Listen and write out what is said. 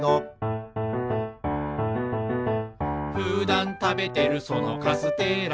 「ふだんたべてるそのカステラ」